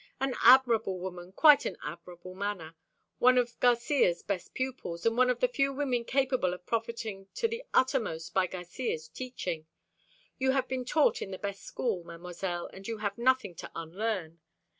"An admirable woman, quite an admirable manner one of Garcia's best pupils, and one of the few women capable of profiting to the uttermost by Garcia's teaching. You have been taught in the best school, Mademoiselle, and you have nothing to unlearn.